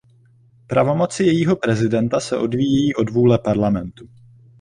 Pravomoci jejího prezidenta se odvíjejí od vůle parlamentu.